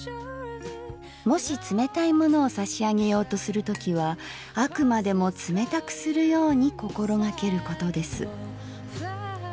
もし冷たいものを差上げようとする時はあくまでも冷たくするように心がけることです」。